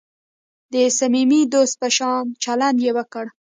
د صمیمي دوست په شان چلند یې وکړ.